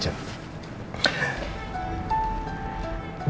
diaka kamu lebih tenang